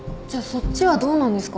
そっちはどうなんですか？